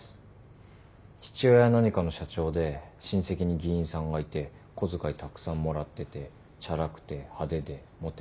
父親は何かの社長で親戚に議員さんがいて小遣いたくさんもらっててチャラくて派手でモテモテで。